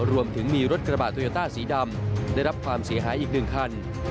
รวมถึงมีรถกระบะโตโยต้าสีดำได้รับความเสียหายอีก๑คัน